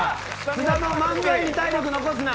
津田、漫才に体力残すな。